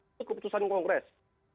itu keputusan kongres